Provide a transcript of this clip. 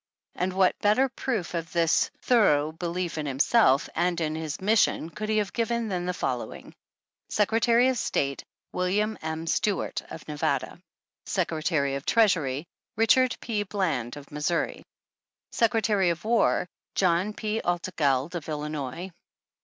And what better proof of his thorough be lief in himself and in his mission could he have given than the following : Secretary of State — William M. Stewart, of Nevada. Secretaty of Treasury — Richard P. Bland, of Mis souri. Secretary of War — John P. Altgeld, of Illinois.